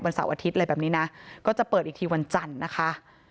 เสาร์อาทิตย์อะไรแบบนี้นะก็จะเปิดอีกทีวันจันทร์นะคะ